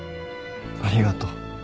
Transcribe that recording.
ありがとう。